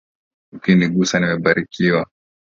Ukinigusa nimebarikiwa.